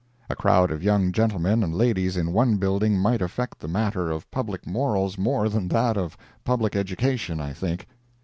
A crowd of young gentlemen and ladies in one building might affect the matter of public morals more than that of public education, I think.